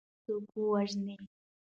چې څوک ووژني